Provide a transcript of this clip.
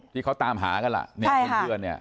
ที่เขาตามหากันล่ะในคุณเพื่อน